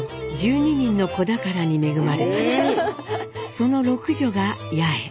その六女が八重。